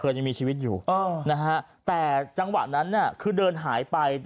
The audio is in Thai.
ยังมีชีวิตอยู่นะฮะแต่จังหวะนั้นน่ะคือเดินหายไป